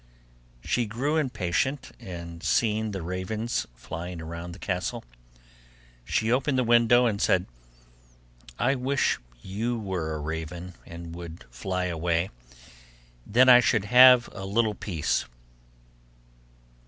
She grew impatient, and seeing the ravens flying round the castle, she opened the window, and said: 'I wish you were a raven and would fly away, then I should have a little peace.